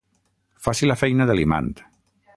Faci la feina de l'imant.